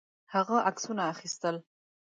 هغه عکسونه اخیستل.